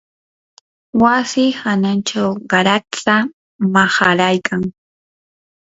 wasi hanachaw qaratsa maharaykan